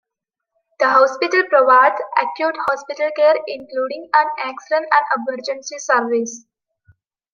The hospital provides acute hospital care, including an Accident and Emergency service.